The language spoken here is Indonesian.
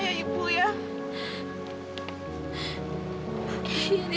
ibu masih punya harga diri nak